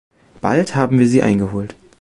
Bald haben wir sie eingeholt.